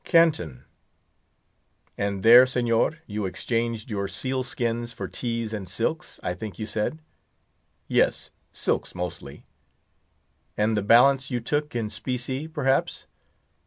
"Canton." "And there, Señor, you exchanged your sealskins for teas and silks, I think you said?" "Yes, Silks, mostly." "And the balance you took in specie, perhaps?"